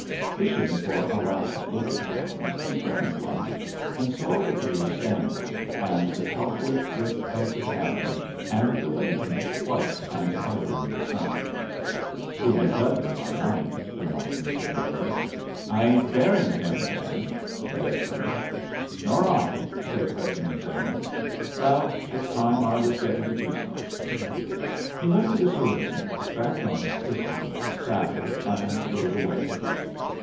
Wishing for a last look at Jones, he turned once, and saw the three standing, and the chocolate brick of the cabin, and the windmill white and idle in the sun. "He'll be gutted by night," remarked Mr. Adams. "I ain't buryin' him, then," said Ephraim. "Nor I," said Specimen Jones. "Well, it's time I was getting to Tucson." He went to the saloon, strapped on his pistol, saddled, and rode away.